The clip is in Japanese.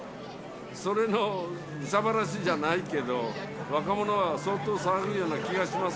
それの憂さ晴らしじゃないけど、若者は相当、騒ぐような気がしま